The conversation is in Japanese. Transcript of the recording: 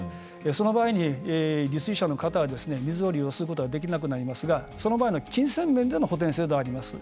その場合に、利水者の方は水を利用することができなくなりますがその場合の金銭面の補填制度はあります。